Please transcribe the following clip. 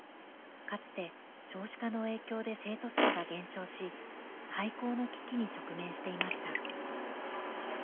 かつて少子化の影響で生徒数が減少し廃校の危機に直面していました。